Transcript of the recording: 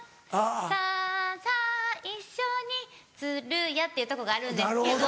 さぁさぁ一緒に鶴屋っていうとこがあるんですけど。